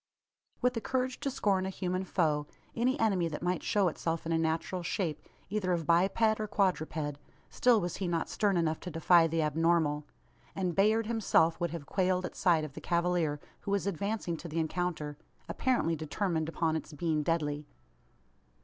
With the courage to scorn a human foe any enemy that might show itself in a natural shape, either of biped or quadruped still was he not stern enough to defy the abnormal; and Bayard himself would have quailed at sight of the cavalier who was advancing to the encounter apparently determined upon its being deadly!